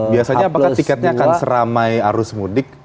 biasanya apakah tiketnya akan seramai arus mudik